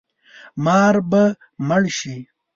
مار به مړ شي